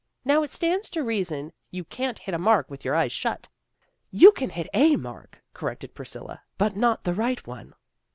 Now, it stands to reason you can't hit a mark with your eyes shut." " You can hit a mark," corrected Priscilla, " but not the right one."